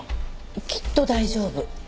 「きっと大丈夫」